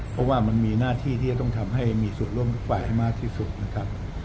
เพราะว่ามันมีหน้าที่ที่จะต้องทำให้มีส่วนร่วมทุกฝ่ายให้มากที่สุดนะครับ